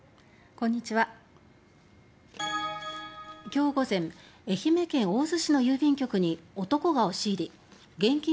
きょう午前愛媛県大洲市の郵便局に男が押し入り現金